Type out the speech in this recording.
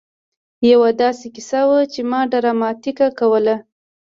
يوه داسې کيسه وه چې ما ډراماتيکه کوله.